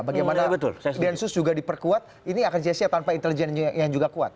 bagaimana densus juga diperkuat ini akan sia sia tanpa intelijen yang juga kuat